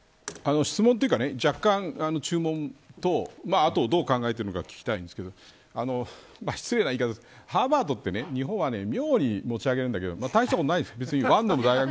質問というか若干の注文とどう考えているか聞きたいんですけど失礼な言い方ですがハーバードは日本は妙に持ち上げるんですけど大したことないんです。